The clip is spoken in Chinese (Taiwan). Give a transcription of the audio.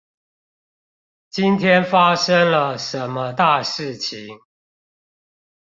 今天發生了什麼大事情